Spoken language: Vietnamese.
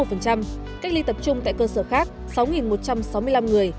cách ly tập trung tại cơ sở khác sáu một trăm sáu mươi năm người